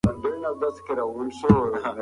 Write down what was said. ایا ملا بانګ غواړي چې بیا ویده شي؟